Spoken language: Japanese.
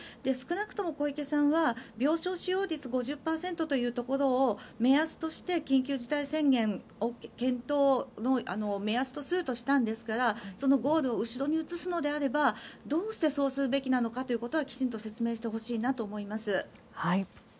少なくとも小池さんは病床使用率５０％というところを目安として緊急事態宣言を検討の目安とするとしたんですからそのゴールを後ろに移すのであればどうしてそうするべきなのかをきちんと説明してほしいなと思います。